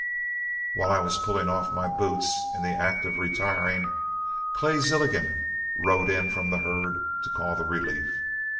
While I was pulling off my boots in the act of retiring, Clay Zilligan rode in from the herd to call the relief.